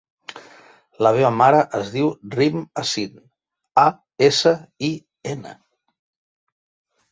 La meva mare es diu Rim Asin: a, essa, i, ena.